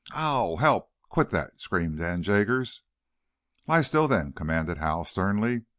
"O o ow! Help! Quit that!" screamed Dan Jaggers. "Lie still, then," commanded Hal, sternly.